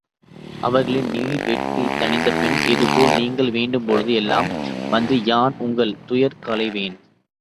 அவர்கள் நீர் வேட்கை தணித்தபின், இதுபோல் நீங்கள் வேண்டும்போது எல்லாம் வந்து யான் உங்கள் துயர் களைவேன்!